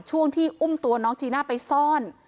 ช่วงที่อุ้มตัวน้องจีน่าไปซ่อน